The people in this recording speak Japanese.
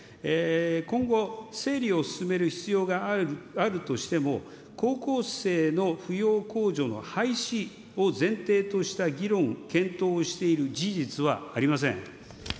今後、整理を進める必要があるとしても、高校生の扶養控除の廃止を前提とした議論、検討をしている事実はありません。